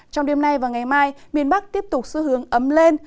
trong đêm nay và ngày mai miền bắc tiếp tục xu hướng ấm lên